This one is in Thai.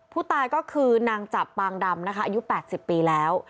ผู้ตายก็คือนางจับปางดำนะคะอายุ๘๐ปีแล้ว